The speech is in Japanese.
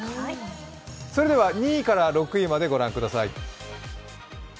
それでは２位から６位までご覧ください。